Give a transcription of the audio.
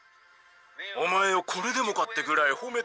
お前をこれでもかってぐらいほめてやりたいよ。